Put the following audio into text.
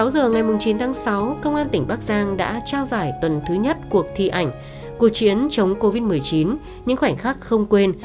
sáu giờ ngày chín tháng sáu công an tỉnh bắc giang đã trao giải tuần thứ nhất cuộc thi ảnh cuộc chiến chống covid một mươi chín những khoảnh khắc không quên